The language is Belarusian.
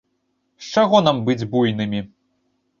З чаго нам быць буйнымі?